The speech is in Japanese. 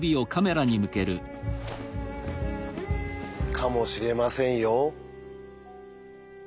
かもしれませんよ。